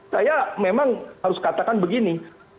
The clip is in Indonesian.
saya memang harus katakan begini